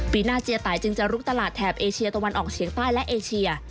ปีหน้าเจียตายจึงจะลุกตลาดแถบเอเชียตะวันออกเฉียงใต้และเอเชีย